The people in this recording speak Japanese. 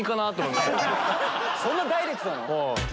そんなダイレクトなの？